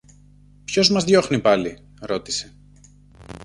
Ποιος μας διώχνει πάλι; ρώτησε.